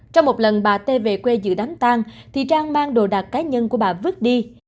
trong một lần bà t về quê giữ đánh tan thì trang mang đồ đạc cá nhân của bà vứt đi